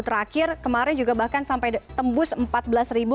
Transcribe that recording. terakhir kemarin juga bahkan sampai tembus empat belas ribu